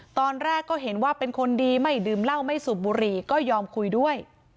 ตอนแรกก็เห็นว่าเป็นคนดีไม่ดื่มเหล้าไม่สูบบุหรี่ก็ยอมคุยด้วย